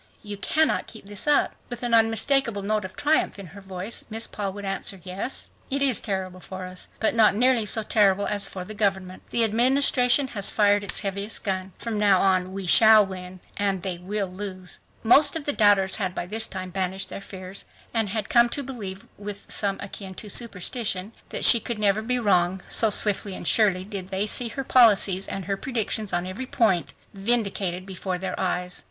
You cannot keep this up!" With an unmistakable note of triumph in her voice Miss Paul would answer, "Yes, it is terrible for us, but not nearly so terrible as for the government. The Administration has fired its heaviest gun. From now on we shall win and they will lose." Most of the doubters had by this time banished their fears and had come to believe with something akin to superstition that she could never be wrong, so swiftly and surely, did they see her policies and her predictions on every point vindicated before their eyes.